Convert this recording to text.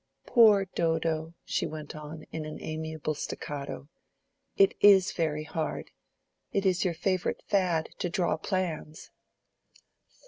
"Poor Dodo," she went on, in an amiable staccato. "It is very hard: it is your favorite fad to draw plans."